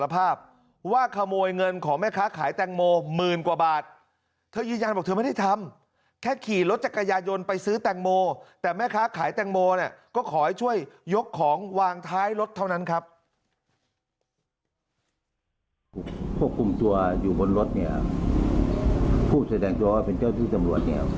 ผู้แสดงตัวถูกกลับเป็นเจ้าธุรกิจจำรวจเนี่ย